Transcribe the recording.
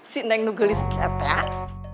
si neng nunggu listnya teh